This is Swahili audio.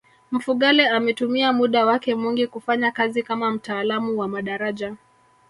mfugale ametumia muda wake mwingi kufanya kazi kama mtaalamu wa madaraja